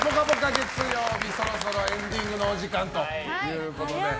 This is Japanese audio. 月曜日そろそろエンディングのお時間ということで。